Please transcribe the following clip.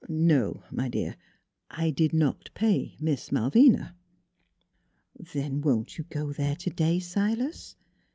... No, my dear, I did not pay Miss Malvina." "Then won't you go there today, Silas?